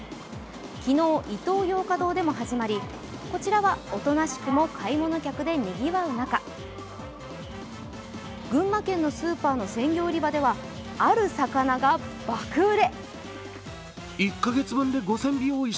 昨日、イトーヨーカドーでも始まりこちらはおとなしくも買い物客でにぎわう中、群馬県のスーパーの鮮魚売り場では、ある魚が爆売れ。